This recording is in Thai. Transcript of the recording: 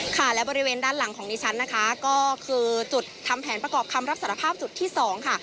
ค่ะและบริเวณด้านหลังของดิฉันนะคะก็คือจุดทำแผนประกอบคำรับสารภาพจุดที่สองค่ะ